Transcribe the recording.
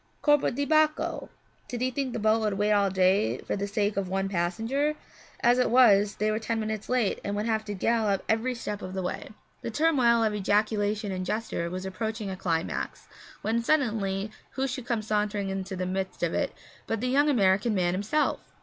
Corpo di Bacco! Did he think the boat would wait all day for the sake of one passenger? As it was, they were ten minutes late and would have to gallop every step of the way. The turmoil of ejaculation and gesture was approaching a climax; when suddenly, who should come sauntering into the midst of it but the young American man himself!